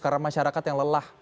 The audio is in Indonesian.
karena masyarakat yang lelah